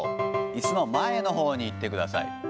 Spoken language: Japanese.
いすの前のほうに行ってください。